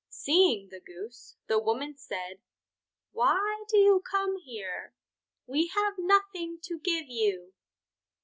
Seeing the Goose, the woman said: "Why do you come here? We have nothing to give you."